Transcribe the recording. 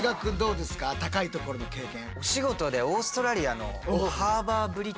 高いところの経験。